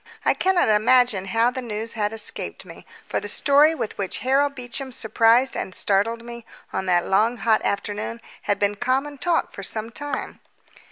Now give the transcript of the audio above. I cannot imagine how the news had escaped me, for the story with which Harold Beecham surprised and startled me on that long hot afternoon had been common talk for some time.